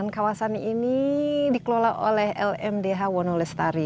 kawasan ini dikelola oleh lmdh wonolestari